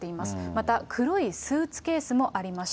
また、黒いスーツケースもありました。